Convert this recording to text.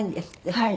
はい。